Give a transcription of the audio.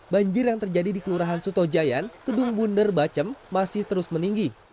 banjir yang terjadi di kelurahan sutojayan kedung bundar bacem masih terus meninggi